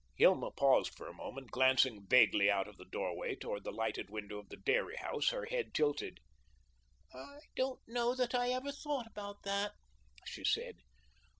Hilma paused for a moment, glancing vaguely out of the doorway toward the lighted window of the dairy house, her head tilted. "I don't know that I ever thought about that," she said.